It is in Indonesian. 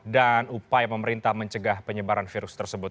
dan upaya pemerintah mencegah penyebaran virus tersebut